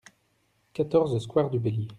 quatorze square du Bélier